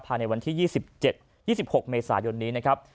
ภายในวันที่๒๗๒๖เมษายนนี้นะครับ